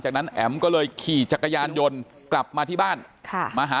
จากนั้นแอ๋มก็เลยขี่จักรยานยนต์กลับมาที่บ้านค่ะมาหา